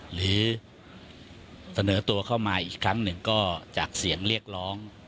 หรือเสนอตัวเข้ามาอีกครั้งหนึ่งก็จากเสียงเรียกร้อง